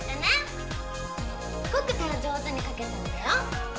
すごく今日上手にかけたんだよ。